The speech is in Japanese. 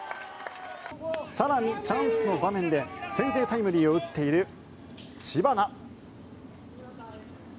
更に、チャンスの場面で先制タイムリーを打っている知花。